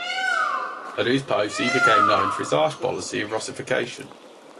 At these posts, he became known for his harsh policy of Russification.